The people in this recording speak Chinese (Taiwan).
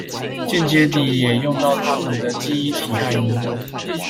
間接地也用到他們的記憶體和螢幕